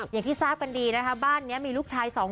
อย่างที่ทราบกันดีนะคะบ้านนี้มีลูกชายสองคน